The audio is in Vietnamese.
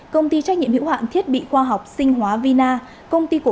công ty trách nhiệm hữu hạn thiết bị khoa học sinh hóa vina công ty cổ phần công nghệ tbr